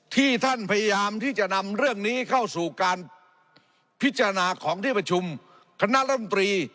ที่ท่านพยายามที่จะนำเรื่องนี้เข้าสู่การพิจารณาของที่ประชุมคณะรัฐมนตรี